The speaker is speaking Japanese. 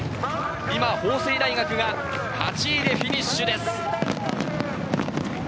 法政大学が８位でフィニッシュです。